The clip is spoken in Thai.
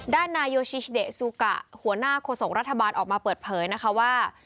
นายโยชิชเดซูกะหัวหน้าโฆษกรัฐบาลออกมาเปิดเผยนะคะว่า